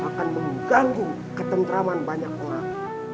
akan mengganggu ketentraman banyak orang